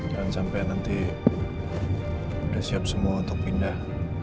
jangan sampai nanti sudah siap semua untuk pindah